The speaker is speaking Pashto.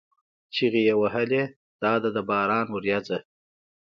چیغې یې وهلې: دا ده د باران ورېځه!